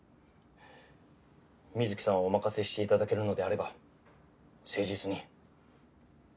美月さんをお任せして頂けるのであれば誠実に。